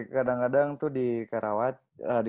kadang kadang tuh di karawaci